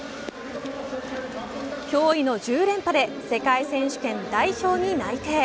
驚異の１０連覇で世界選手権代表に内定。